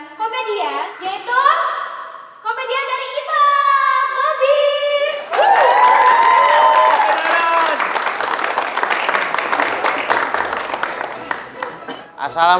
assalamualaikum warahmatullahi wabarakatuh